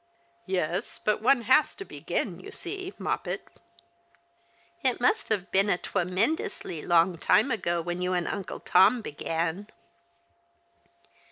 " Yes, but one has to begin, you see, Moppet." '' It must have been a twemendously long time ago when you and Uncle Tom began."